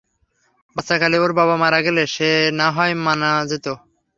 বাচ্চাকালে ওর বাবা মারা গেলে, সে না হয় মানা যেত।